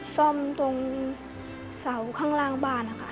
ซ่อมตรงเสาข้างล่างบ้านนะคะ